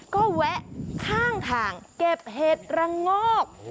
ก็แวะข้างทางเก็บเห็ดระงอก